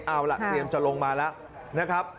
เอาล่ะเตรียมจะลงมาแล้วนะครับ